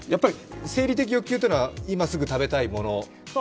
生理的欲求は、今すぐ食べたいもの